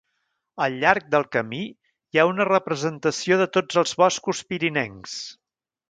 Al llarg del camí hi ha una representació de tots els boscos pirinencs.